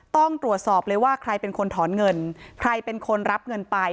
ต้องตรวจสอบเลยว่าใครเป็นคนถอนเงินใครเป็นคนรับเงินไป